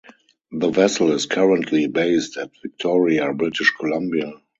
The vessel is currently based at Victoria, British Columbia.